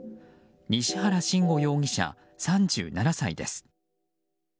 西原慎吾容疑者、３７歳です。